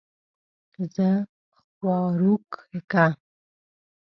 زۀ خواروک کۀ